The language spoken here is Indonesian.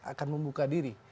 akan membuka diri